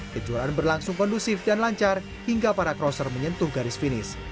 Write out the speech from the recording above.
kejuaraan berlangsung kondusif dan lancar hingga para crosser menyentuh garis finish